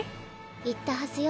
言ったはずよ